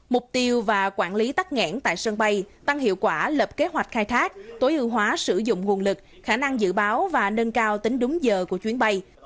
mục tiêu và quản lý tắt nghẽn tại sân bay tăng hiệu quả lập kế hoạch khai thác tối ưu hóa sử dụng nguồn lực khả năng dự báo và nâng cao tính đúng giờ của chuyến bay